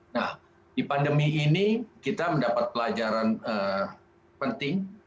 nah di pandemi ini kita mendapat pelajaran penting